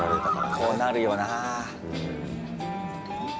こうなるよなぁ。